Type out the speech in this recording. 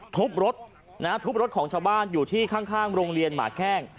ทุบรถนะฮะทุบรถของชาวบ้านอยู่ที่ข้างโรงเรียนหมาแข้ง